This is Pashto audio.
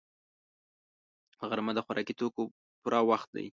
غرمه د خوراکي توکو پوره وخت دی